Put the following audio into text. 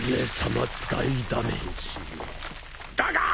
だが！